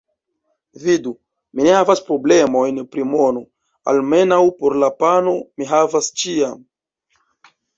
Vidu: mi ne havas problemojn pri mono, almenaŭ por la pano mi havas ĉiam.